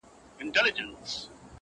• هغه ليوني ټوله زار مات کړی دی.